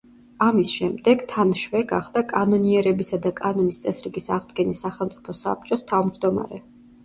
ამის შემდეგ თან შვე გახდა კანონიერებისა და კანონის წესრიგის აღდგენის სახელმწიფო საბჭოს თავმჯდომარე.